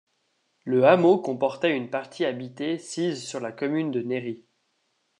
Le hameau comportait une partie habitée sise sur la commune de Néry.